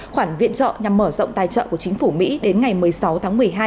khoản viện trợ nhằm mở rộng tài trợ của chính phủ mỹ đến ngày một mươi sáu tháng một mươi hai